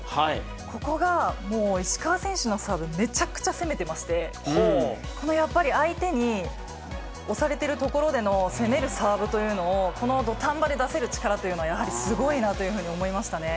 ここがもう、石川選手のサーブ、めちゃくちゃ攻めてまして、このやっぱり、相手に押されてるところでの攻めるサーブというのを、この土壇場で出せる力というのは、やはりすごいなというふうに思いましたね。